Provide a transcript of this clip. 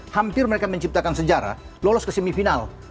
hampir mereka menciptakan sejarah lolos ke semifinal